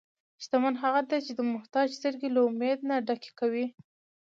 شتمن هغه دی چې د محتاج سترګې له امید نه ډکې کوي.